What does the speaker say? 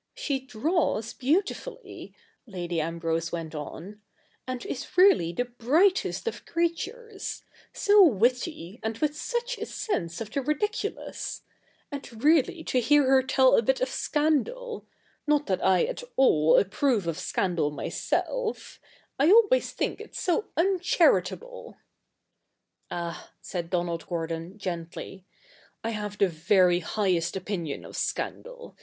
' She draws beautifully,' Lady Ambrose went on, ' and is really the brightest of creatures— so witty, and with such a sense of the ridiculous ! And really, to hear her tell a bit of scandal — not that I at all approve of scandal myself — I always think it's so uncharitable '' Ah,' said Donald Gordon gently, ' I have the very highest opinion of scandal.